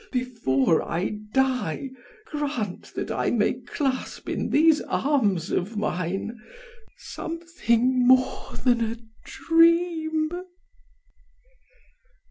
Before I die grant that I may clasp in these arms of mine something more than a dream!"